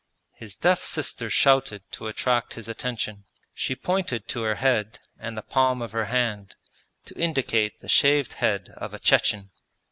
His deaf sister shouted to attract his attention. She pointed to her head and the palm of her hand, to indicate the shaved head of a Chechen.